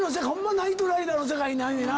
『ナイトライダー』の世界になんねな。